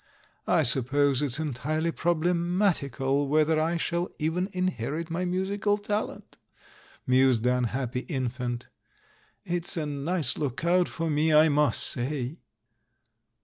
"I suppose it's entirely problematical whether I shall even inherit my musical talent?" mused the unhappy infant. "It's a nice lookout for me, I must say!"